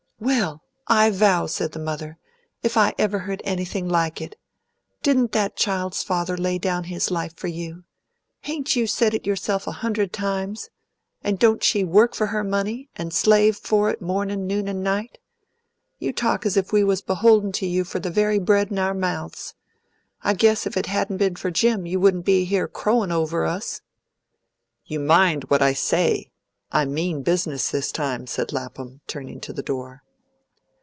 "Well, I vow," said the mother, "if I ever heard anything like it! Didn't that child's father lay down his life for you? Hain't you said it yourself a hundred times? And don't she work for her money, and slave for it mornin', noon, and night? You talk as if we was beholden to you for the very bread in our mouths. I guess if it hadn't been for Jim, you wouldn't been here crowin' over us." "You mind what I say. I mean business this time," said Lapham, turning to the door.